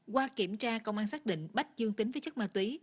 qua kiểm tra công an xác định bách dương tính với chất ma túy